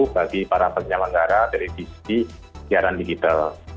bagi para penyelenggara dari sisi siaran digital